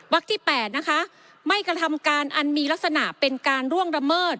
ที่๘นะคะไม่กระทำการอันมีลักษณะเป็นการร่วงละเมิด